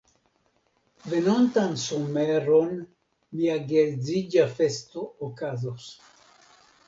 Venontan someron nia geedziĝa festo okazos.